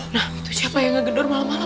nah itu siapa yang ngegedor malam malam